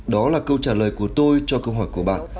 đó là câu trả lời của tôi cho câu hỏi của bạn